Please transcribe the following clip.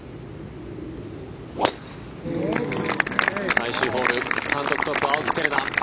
最終ホール単独トップ、青木瀬令奈。